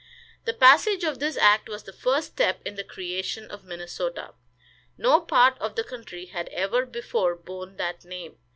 The passage of this act was the first step in the creation of Minnesota. No part of the country had ever before borne that name.